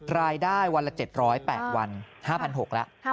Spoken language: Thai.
รายได้วันละ๗๐๘วัน๕๖๐๐แล้ว